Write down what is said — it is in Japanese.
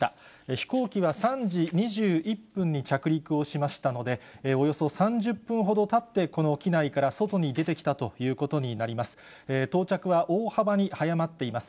飛行機は３時２１分に着陸をしましたので、およそ３０分ほどたって、この機内から外に出てきたということになります。